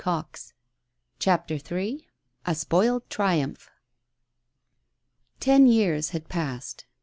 :o: CIIAPTEE IIL A SPOILED TRIUMPH. T en years had passed.